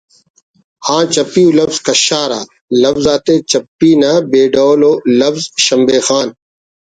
آن چپی ءُ لوز کشارہ (لوز آتے چپی نہ بے ڈول ءُ لوز شمبے خان